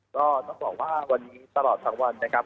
ก็ต้องบอกว่าวันนี้ตลอดทั้งวันนะครับ